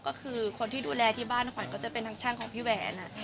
ก็คือคนที่ดูแลที่บ้านขวัญก็จะเป็นทางช่างของพี่แหวน